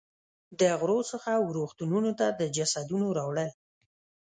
د غرو څخه وه رغتونونو ته د جسدونو راوړل.